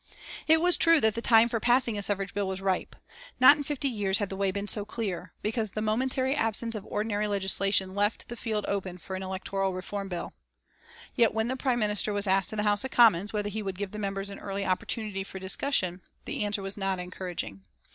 It was true that the time for passing a suffrage bill was ripe. Not in fifty years had the way been so clear, because the momentary absence of ordinary legislation left the field open for an electoral reform bill. Yet when the Prime Minister was asked in the House of Commons whether he would give the members an early opportunity for discussion, the answer was not encouraging.